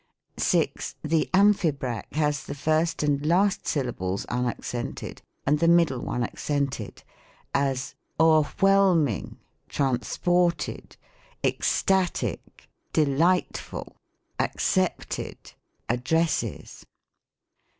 6. The Amphibrach has the first and last syllables unaccented and the middle one accented : as, " Oe'r whelmlng, transported, ecstatic, delightful, accepted, addresses."